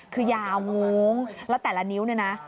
คือยาวงงแล้วแต่ละนิ้วนะ